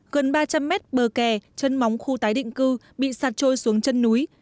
gần ba trăm linh mét bờ kè chân móng khu tái định cư bị sạt trôi xuống chân núi